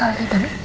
ada di dalam nyirmu